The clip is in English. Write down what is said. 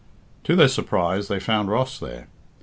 To their surprise they found Ross there.